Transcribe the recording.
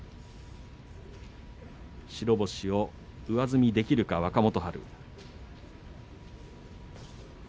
白星を上積みできるか若元春。